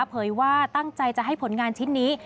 เผยว่าตั้งใจจะให้ผลงานชิ้นนี้